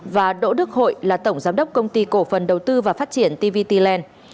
và đỗ đức hội là tổng giám đốc công ty cổ phần đầu tư và phát triển tvt land